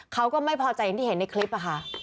เขาก็ไม่พอใจอย่างที่เห็นในคลิปค่ะ